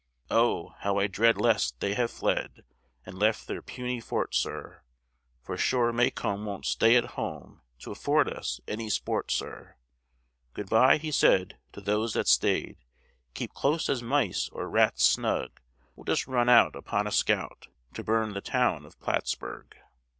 "Oh! how I dread lest they have fled And left their puny fort, sir, For sure Macomb won't stay at home, T' afford us any sport, sir. Good by!" he said to those that stay'd: "Keep close as mice or rats snug: We'll just run out upon a scout, To burn the town of Plattsburg."